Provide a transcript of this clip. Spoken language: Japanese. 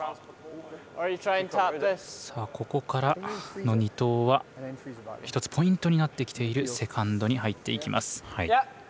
ここからの２投は１つポイントになってきているセカンドに入っていきます。